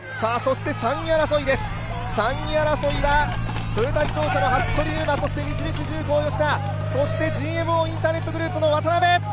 ３位争いです、トヨタ自動車の服部勇馬そして三菱重工・吉田、ＧＭＯインターネットグループの渡邉。